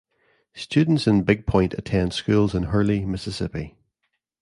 Students in Big Point attend schools in Hurley, Mississippi.